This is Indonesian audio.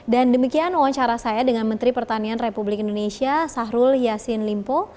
dan demikian wawancara saya dengan menteri pertanian republik indonesia sahrul yassin limpo